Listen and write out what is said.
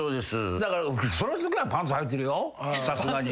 だからそのときはパンツはいてるよさすがに。